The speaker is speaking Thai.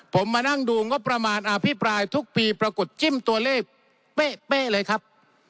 ผมมานั่งดูงบประมาณอภิปรายทุกปีปรากฏจิ้มตัวเลขเป๊ะเลยครับ